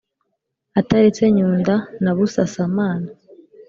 Ataretse Nyunda na Busasamana